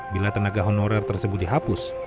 bila tenaga honorer tersebut dihapus